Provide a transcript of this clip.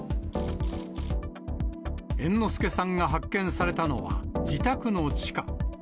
猿之助さんが発見されたのは、自宅の地下。